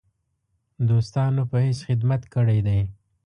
دوستانو په حیث خدمت کړی دی.